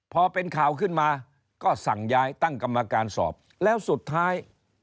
พอเป็นข่าวขึ้นมาก็สั่งย้าย